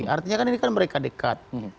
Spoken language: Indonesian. artinya kan ini kan mereka dekat